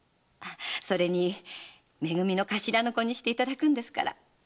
それにめ組の頭の子にしていただくんですから。